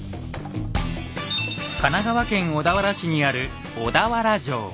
神奈川県小田原市にある小田原城。